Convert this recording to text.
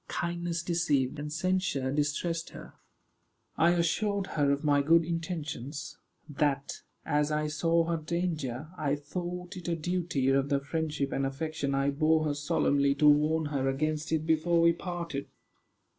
Kindness deceived, and censure distressed her. I assured her of my good intentions; that, as I saw her danger, I thought it a duty of the friendship and affection I bore her solemnly to warn her against it before we parted.